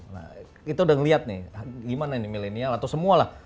nah kita udah ngelihat nih gimana ini milenial atau semua lah